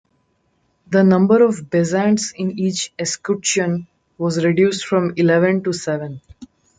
The number of bezants in each escutcheon was reduced from eleven to seven.